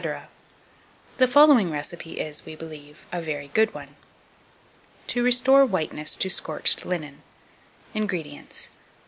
The following recipe is, we believe, a very good one. To restore Whiteness to scorched Linen. 2283. INGREDIENTS.